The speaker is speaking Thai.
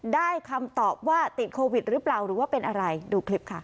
คำตอบว่าติดโควิดหรือเปล่าหรือว่าเป็นอะไรดูคลิปค่ะ